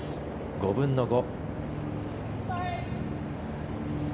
５分の５。